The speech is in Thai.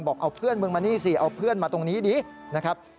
บอกเอาเพื่อนมึงมานี่สิเอาเพื่อนมาตรงนี้ดินะครับ